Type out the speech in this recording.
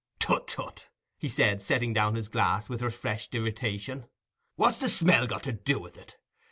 "Tut, tut," he said, setting down his glass with refreshed irritation; "what's the smell got to do with it?